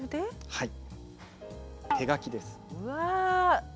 はい。